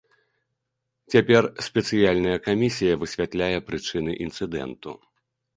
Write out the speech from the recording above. Цяпер спецыяльная камісія высвятляе прычыны інцыдэнту.